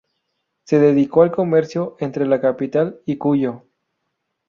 Se dedicó al comercio entre la capital y Cuyo.